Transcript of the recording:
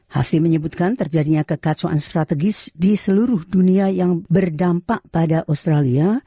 hashim menyebutkan terjadinya kekacauan strategis di seluruh dunia yang berdampak pada australia